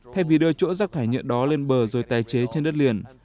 thay vì đưa chỗ rác thải nhựa đó lên bờ rồi tái chế trên đất liền